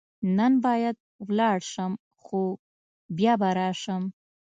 نن باید ولاړ شم، خو بیا به راشم.